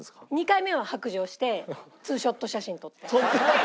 ２回目は白状してツーショット写真撮った。